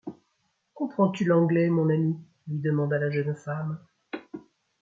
Comprends-tu l’anglais, mon ami ? lui demanda la jeune femme.